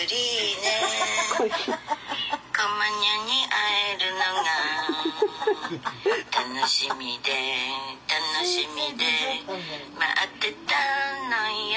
ねこまニャンに会えるのが楽しみで楽しみで待ってたのよ